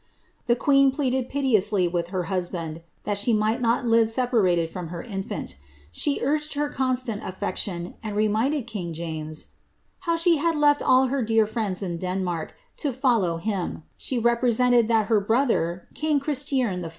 The queen pleaded piteously with her husband that she might not live sepa rated from her infant. She urged her constant afi^ction, and reminded king James ^ how she had left all her dear friends in Denmark to follow him ; she represented that her brother, king Christierii IV.